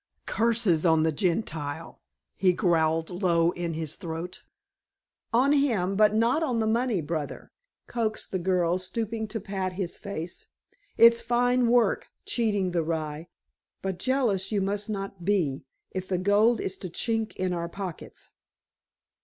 "Curses on the Gentile!" he growled low in his throat. "On him, but not on the money, brother," coaxed the girl, stooping to pat his face. "It's fine work, cheating the rye. But jealous you must not be, if the gold is to chink in our pockets."